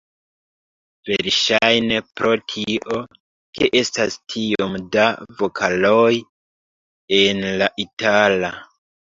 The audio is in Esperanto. Verŝajne pro tio, ke estas tiom da vokaloj en la itala.